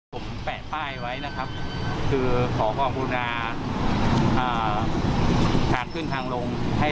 ผมแปะป้ายไว้นะครับคือขอความบูรณาทางขึ้นทางลงให้